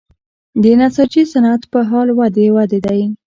د نساجي صنعت په حال د ودې دی